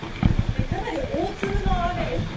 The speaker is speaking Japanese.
かなり大粒の雨です。